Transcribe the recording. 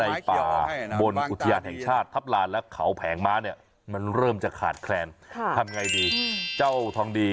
ไอชู้เห็นภารกาวที่เป็นการแรงอวังประสงค์ศาสตร์มากยังเหลือครั้งนี้